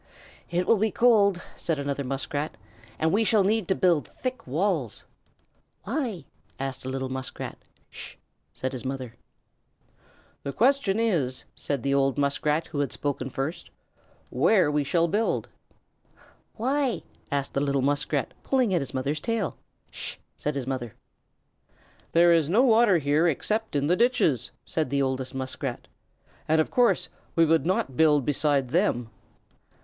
"It will be cold," said another Muskrat, "and we shall need to build thick walls." "Why?" asked a little Muskrat. "Sh!" said his mother. "The question is," said the old Muskrat who had first spoken, "where we shall build." "Why?" asked the little Muskrat, pulling at his mother's tail. "Sh h!" said his mother. "There is no water here except in the ditches," said the oldest Muskrat, "and of course we would not build beside them."